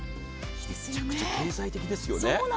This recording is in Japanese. めちゃくちゃ経済的ですよね。